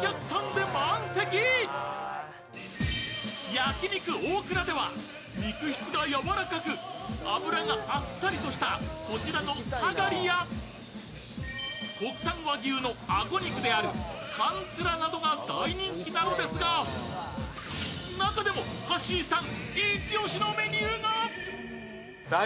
焼肉大倉では肉質がやわらかく脂があっさりとした、こちらのサガリや国産和牛のあご肉であるタンツラなどが大人気なのですが、中でも、はっしーさん